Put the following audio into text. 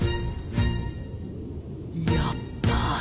やっば。